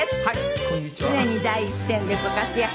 常に第一線でご活躍。